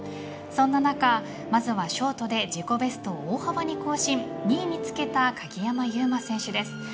そんな中、まずはショートで自己ベストを大幅に更新２位につけた鍵山優真選手です。